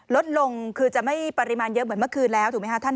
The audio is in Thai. ลดลงคือจะไม่ปริมาณเยอะเหมือนเมื่อคืนแล้วถูกไหมคะท่าน